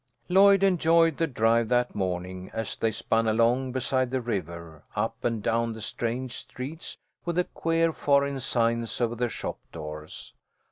Lloyd enjoyed the drive that morning as they spun along beside the river, up and down the strange streets with the queer foreign signs over the shop doors.